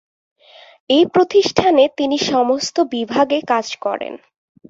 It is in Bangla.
এই প্রতিষ্ঠানে তিনি সমস্ত বিভাগে কাজ করেন।